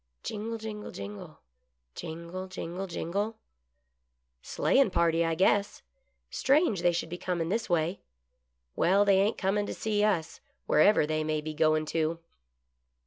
Jingle^ jingle, jingle, , Jingle, jingle, jingle. " Sleighin' party, I guess. Strange they should be GOOD LUCK. 63 cornin' this way. Well, they ain't cornin' to see us, wherever they may be goin' to."